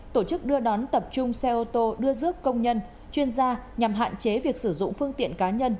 tổ chức đưa đón tập trung xe ô tô đưa rước công nhân chuyên gia nhằm hạn chế việc sử dụng phương tiện cá nhân